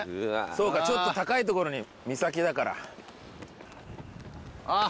そうかちょっと高いところに岬だからあっ！